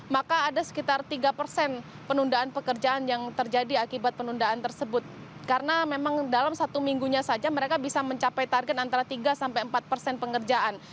maka ada sekitar tiga persen penundaan pekerjaan yang terjadi akibat penundaan tersebut karena memang dalam satu minggunya saja mereka bisa mencapai target antara tiga sampai empat persen pengerjaan